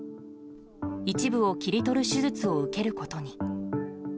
一部を切り取る手術を受けることに。